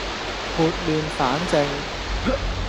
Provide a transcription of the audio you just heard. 撥亂反正